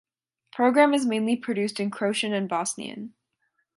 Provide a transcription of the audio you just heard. Program is mainly produced in Croatian and Bosnian.